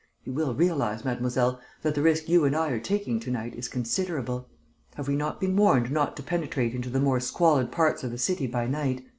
You will realise, Mademoiselle, that the risk you and I are taking to night is considerable. Have we not been warned not to penetrate into the more squalid parts of the city by night?